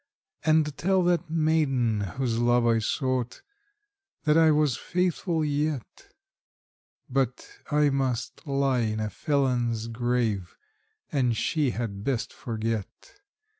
And tell that maiden whose love I sought, that I was faithful yet; But I must lie in a felon's grave, and she had best forget.